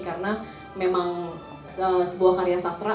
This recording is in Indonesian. karena memang sebuah karya sastra